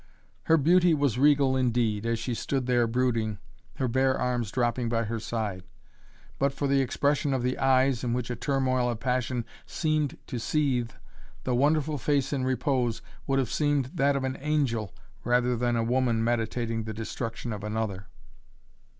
Her beauty was regal indeed, as she stood there brooding, her bare arms dropping by her side. But for the expression of the eyes, in which a turmoil of passion seemed to seethe, the wonderful face in repose would have seemed that of an angel rather than a woman meditating the destruction of another.